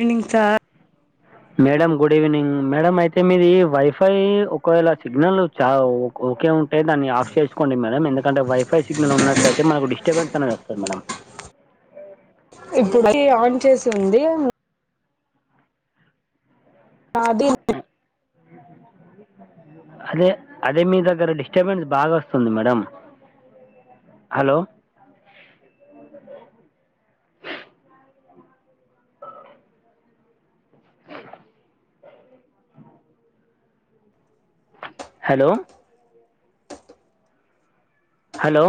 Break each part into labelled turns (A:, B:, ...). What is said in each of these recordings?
A: ఇంనింగ్ సార్ట్.
B: Madam good evening madam అయితే మీది వైఫై ఒకవేళ సిగ్నల్ చ ఒక ఓకే. ఉంటే దాన్ని ఆఫ్ చేసుకోండి మేడం ఎందుకంటే వైఫై సిగ్నల్ ఉన్నట్లయితే మనకు డిస్టర్బెన్స్ అనేది వస్తది మేడం.
A: ఇప్పుడు వచ్చి ఆన్ చేసి ఉంది. ఆహ్ అది.
B: అదే అదే మీ దగ్గర డిస్టర్బెన్స్ బాగా వస్తుంది madam. Hello. Hello. Hello.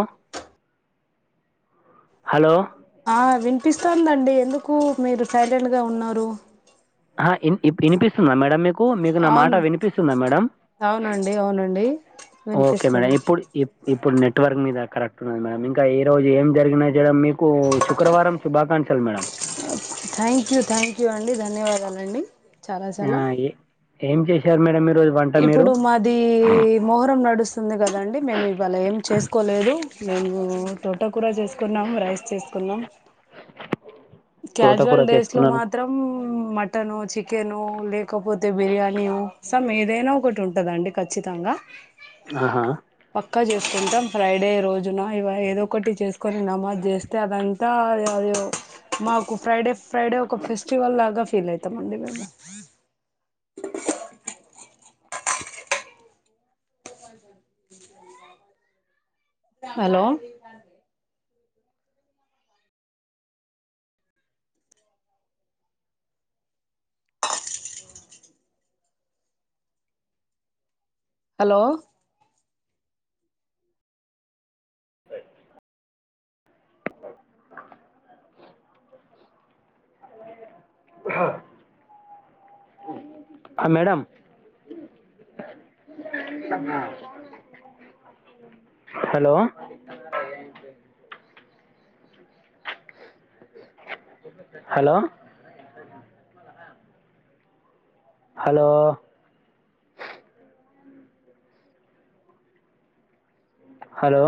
B: Hello
A: ఆహ్ వినిపిస్తుందండి ఎందుకు మీరు సైలెంట్గా ఉన్నారు.
B: ఆహ్ ఇపు ఇప్పుడు వినిపిస్తుందా మేడం మీకు. కు మీకు నా మాట
A: అవును
B: వినిపిస్తుందా మేడం.
A: అవునండి అవునండి
B: ఓకే మేడం
A: వినిపిస్తుంది
B: ఇప్పుడు ఇప్ ఇప్. ఇప్పుడు నెట్వర్క్ మీద కరెక్ట్ ఉన్నది మేడం ఇంకా ఈ రోజు ఏం జరిగిన చేయడం మీకు శుక్రవారం శుభాకాంక్షలు. Madam.
A: Thank you thank you అండి ధన్యవాదాలండి చాలా
B: ఆ,
A: చాలా.
B: ఏ- ఏం చేశారు మేడం మీరు. ఈరోజు వంట
A: ఇప్పుడు మాది మొహరం నడుస్తుంది కదండి మేము ఇవాళ ఏం చేసుకోలేదు. మేము తోట కూర చేసుకున్నాం రైస్ చేసుకున్నాం.
B: తోటకూర
A: క్యాజువల్ డ్రేస్ లో
B: చేసుకున్నాను
A: మాత్రం ఉమ్ మట్ మటను చికెను లేకపోతే బిర్యానీ సమ్ ఏదైనా ఒకటి ఉంటదండి ఖచ్చితంగా.
B: ఆహా
A: పక్కా చేసుకుంటాం ఫ్రైడే. రోజున ఎవ ఏదో ఒకటి చేసుకొని నమాజ్ చేస్తే అదంతా అదే అదే ఓ మాకు. ఫ్రైడే ఫ్రైడే ఒక ఫెస్టివల్ లాగా ఫీల్ అవుతామండి మేము. హలో. హలో.
B: ఆహ్. ఆహ్ madam. Hello. Hello. Hello. Hello.